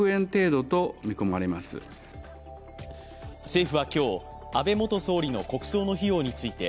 政府は今日、安倍元総理の国葬の費用について、